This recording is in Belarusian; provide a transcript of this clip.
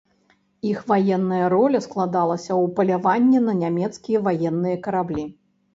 Іх ваенная роля складалася ў паляванні на нямецкія ваенныя караблі.